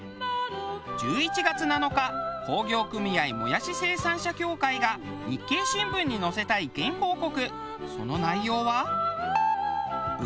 １１月７日工業組合もやし生産者協会が『日経新聞』に載せた意見広告。